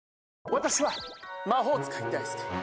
私は魔法使いだいすけ。